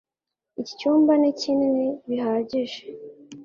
Iki cyumba ni kinini bihagije